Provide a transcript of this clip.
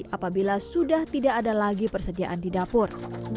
apabila sudah tidak ada lagi persediaan di dapur